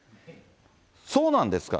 そうなんですか？